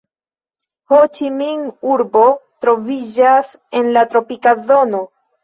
Ho-Ĉi-Min-urbo troviĝas en la tropika zono.